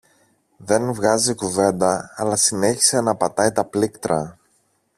δεν βγάζει κουβέντα αλλά συνέχισε να πατάει τα πλήκτρα